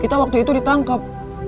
kita waktu itu ditangkap